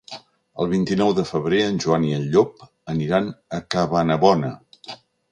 El vint-i-nou de febrer en Joan i en Llop aniran a Cabanabona.